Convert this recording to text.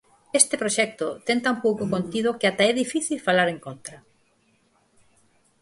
Este proxecto ten tan pouco contido que ata é difícil falar en contra.